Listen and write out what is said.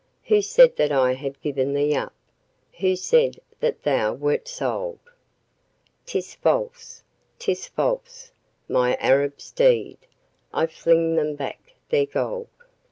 Who said that I had given thee up, who said that thou wert sold? 'Tis false 'tis false, my Arab steed! I fling them back their gold.